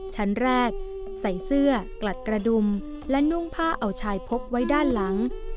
ชั้นแรกใส่เสื้อกลัดกระดุมและนุ่งผ้าเอาชายพกไว้ด้านหลัง